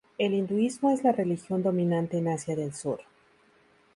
El hinduismo es la religión dominante en Asia del Sur.